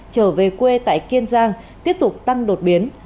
trở về quê tại kiên giang tiếp tục tăng đột biến